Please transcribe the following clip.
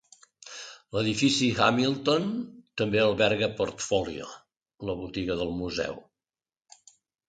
L'edifici Hamilton també alberga Portfolio, la botiga del museu.